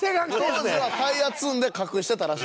当時はタイヤ積んで隠してたらしいです。